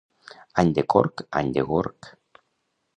Any de corc, any de gorg.